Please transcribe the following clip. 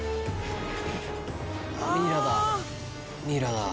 ミイラだ。